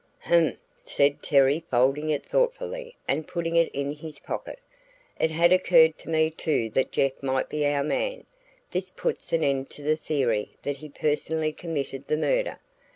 "H'm!" said Terry folding it thoughtfully and putting it in his pocket. "It had occurred to me too that Jeff might be our man this puts an end to the theory that he personally committed the murder.